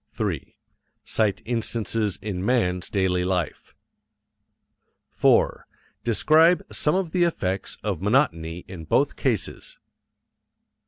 3. Cite instances in man's daily life. 4. Describe some of the effects of monotony in both cases.